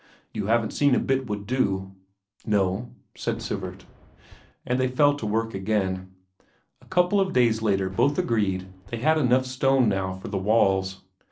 You haven't seen a bit would do?" "No," said Sivert. And they fell to work again. A couple of days later both agreed they had enough stone now for the walls.